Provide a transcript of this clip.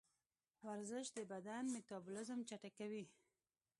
ورزش د بدن میتابولیزم چټکوي.